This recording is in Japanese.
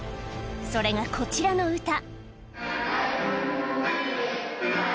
それがこちらの歌